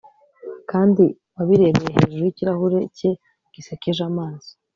Kandi wabirebye hejuru yikirahure cye gisekejeamaso